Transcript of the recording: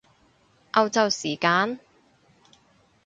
歐洲時間？